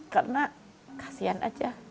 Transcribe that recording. karena kasian aja